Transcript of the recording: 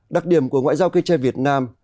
đặc điểm của ngoại giao cây tre việt nam